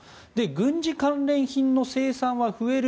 軍事関連品の生産は増える